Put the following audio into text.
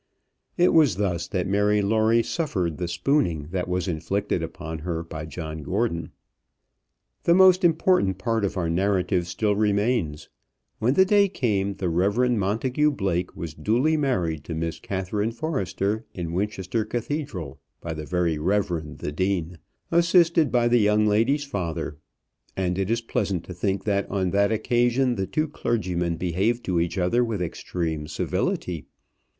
It was thus that Mary Lawrie suffered the spooning that was inflicted upon her by John Gordon. The most important part of our narrative still remains. When the day came, the Reverend Montagu Blake was duly married to Miss Catherine Forrester in Winchester Cathedral, by the Very Reverend the Dean, assisted by the young lady's father; and it is pleasant to think that on that occasion the two clergymen behaved to each other with extreme civility.